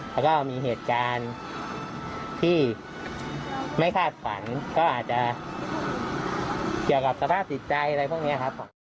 แล้วก็มีเหตุการณ์ที่ไม่คาดฝันก็อาจจะเกี่ยวกับสภาพจิตใจอะไรพวกนี้ครับ